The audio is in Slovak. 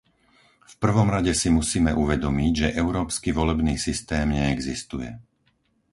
V prvom rade si musíme uvedomiť, že európsky volebný systém neexistuje.